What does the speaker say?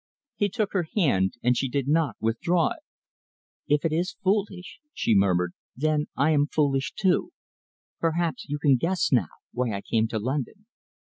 He took her hand, and she did not withdraw it. "If it is foolish," she murmured, "then I am foolish, too. Perhaps you can guess now why I came to London."